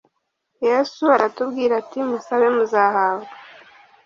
Yesu aratubwira ati, “Musabe, muzahabwa.” …